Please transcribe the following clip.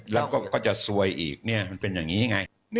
แล้วก็จะซวยอีกมันเป็นอย่างนี้ไง